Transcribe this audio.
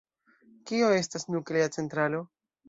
Kio estas nuklea centralo?